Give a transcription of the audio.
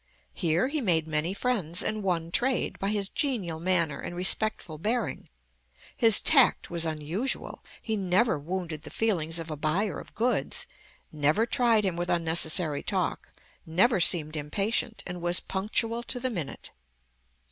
Here he made many friends, and won trade, by his genial manner and respectful bearing. His tact was unusual. He never wounded the feelings of a buyer of goods, never tried him with unnecessary talk, never seemed impatient, and was punctual to the minute.